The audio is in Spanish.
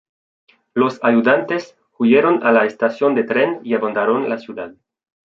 Los ayudantes huyeron a la estación de tren y abandonaron la ciudad.